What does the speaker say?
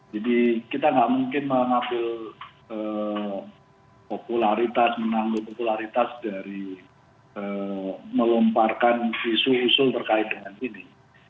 jadi kita gak mungkin mengambil popularitas menanggung popularitas dari melomparkan isu isu terkait dengan ini